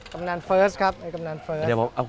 กำนานเฟิร์สครับ